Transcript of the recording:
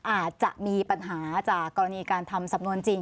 อาจจะมีปัญหาจากกรณีการทำสำนวนจริง